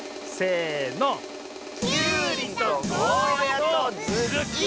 きゅうりとゴーヤーとズッキーニ！